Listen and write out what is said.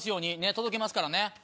届けますからね。